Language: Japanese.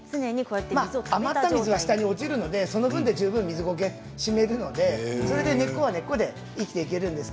余った水は下に落ちるのでその分で十分、水は吸うので根っこは根っこで生きていきます。